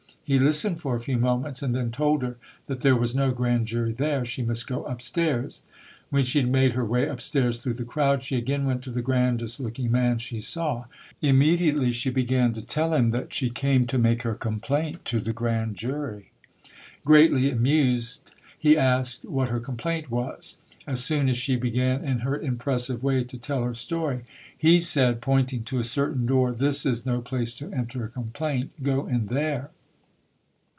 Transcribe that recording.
He listened for a few moments and then told her that there was no grand jury there ; she must go upstairs. When she had made her way upstairs through the crowd, she again went to the grandest looking man she saw. Im mediately she began to tell him that she came to make her complaint to the grand jury. Greatly 214 ] he asked what her complaint was. As soon as die began in her impressive way to tell her story, he said, pointing to a certain door. "This is no place to enter a complaint go in there".